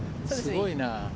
すごいなぁ。